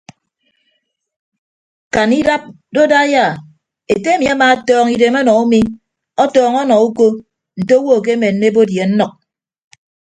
Kan idap do daiya ete emi amaatọọñ idem ọnọ umi ọtọọñ ọnọ uko nte owo akemenne ebot ye nnʌk.